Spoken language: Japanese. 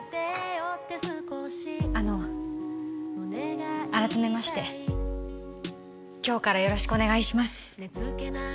あの改めまして今日からよろしくお願いします